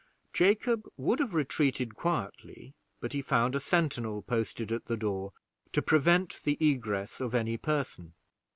Jacob would have retreated quietly, but he found a sentinel posted at the door to prevent the egress of any person.